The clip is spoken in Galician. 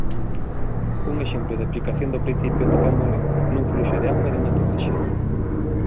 Un exemplo de aplicación do principio atopámolo nun fluxo de auga dunha tubaxe.